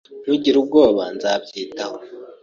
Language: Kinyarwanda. [S] Ntugire ubwoba. Nzabyitaho.